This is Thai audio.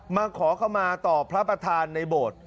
มาขอเข้ามาต่อพระประธานในโบสถ์